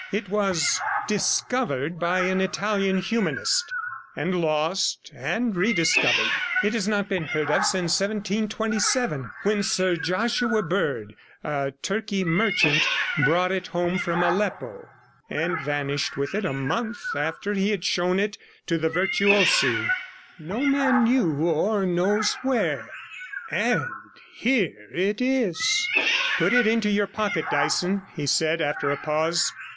It was "discovered" by an Italian humanist, and lost and rediscovered. It has not been heard of since 1727, when Sir Joshua Byrde, a Turkey merchant, brought it home from Aleppo, and vanished with it a month after he had shown it to the virtuosi, no man knew or knows where. And here it is!' 12 'Put it into your pocket, Dyson,' he said, after a pause.